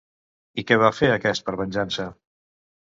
I què va fer aquest per venjança?